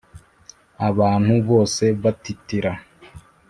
abantu bose batitira.